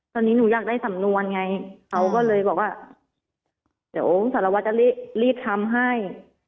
ตอนนี้หนูอยากได้สำนวนไงเขาก็เลยบอกว่าเดี๋ยวสารวัตรจะรีบทำให้